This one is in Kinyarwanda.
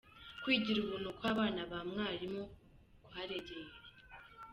Kwigira ubuntu kw’abana ba mwalimu kwarengeye he?.